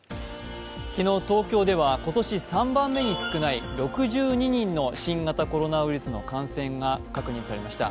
昨日、東京では今年３番目に少ない６２人の新型コロナウイルスの感染が確認されました。